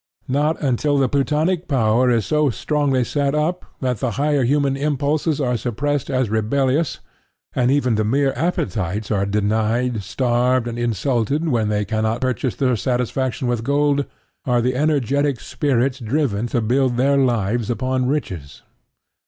Not until the Plutonic power is so strongly set up that the higher human impulses are suppressed as rebellious, and even the mere appetites are denied, starved, and insulted when they cannot purchase their satisfaction with gold, are the energetic spirits driven to build their lives upon riches.